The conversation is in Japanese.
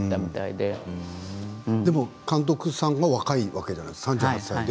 でも監督さんが若いわけじゃないですか３８歳で。